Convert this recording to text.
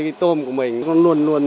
cái tôm của mình nó luôn luôn